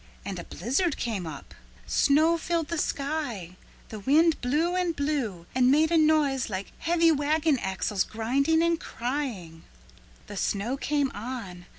And a blizzard came up. Snow filled the sky. The wind blew and blew and made a noise like heavy wagon axles grinding and crying. "'The snow came on.